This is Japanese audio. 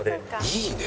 いいね！